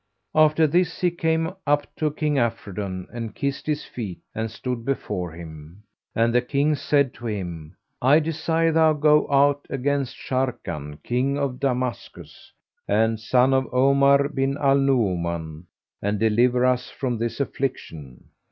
[FN#392] After this he came up to King Afridun and kissed his feet and stood before him; and the King said to him, "I desire thou go out against Sharrkan, King of Damascus, son of Omar bin al Nu'uman, and deliver us from this affliction."